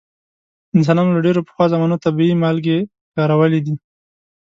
انسانانو له ډیرو پخوا زمانو طبیعي مالګې کارولې دي.